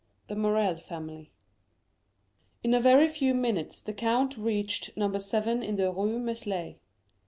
The Morrel Family In a very few minutes the count reached No. 7 in the Rue Meslay.